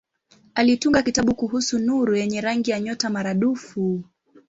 Alitunga kitabu kuhusu nuru yenye rangi ya nyota maradufu.